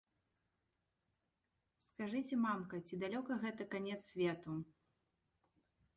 Скажыце, мамка, ці далёка гэта канец свету?